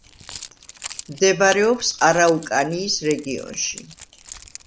მდებარეობს არაუკანიის რეგიონში.